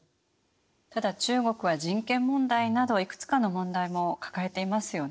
ただ中国は人権問題などいくつかの問題も抱えていますよね。